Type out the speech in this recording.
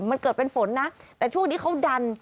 มันเกิดเป็นฝนนะแต่ช่วงนี้เขาดัน